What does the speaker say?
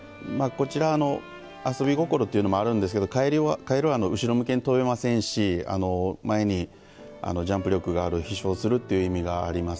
こちら、遊び心というのもあるんですけどかえるは後ろ向きに跳べませんし前にジャンプ力がある飛しょうするという意味があります。